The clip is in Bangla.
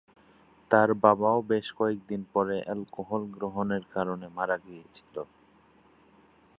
তার বাবাও বেশ কয়েকদিন পরে অ্যালকোহল গ্রহণের কারণে মারা গিয়েছিলেন।